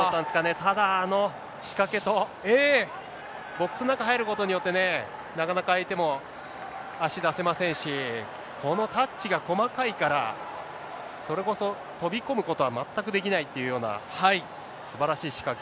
ただ、あの仕掛けと、ボックスの中に入ることによってね、なかなか相手も足出せませんし、このタッチが細かいから、それこそ飛び込むことは全くできないというような、すばらしい仕掛け。